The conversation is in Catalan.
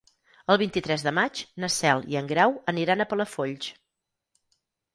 El vint-i-tres de maig na Cel i en Grau aniran a Palafolls.